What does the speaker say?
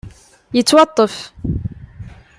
Yettwaṭṭef.